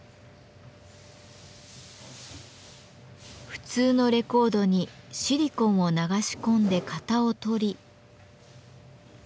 普通のレコードにシリコンを流し込んで型を取り。